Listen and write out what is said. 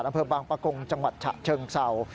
อำเภอบางปะกงจังหวัดฉะเชิงเศร้า